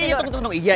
tunggu tunggu tunggu